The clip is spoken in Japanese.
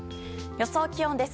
予想気温です。